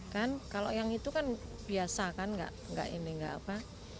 kan kalau yang itu kan biasa kan nggak ini nggak apa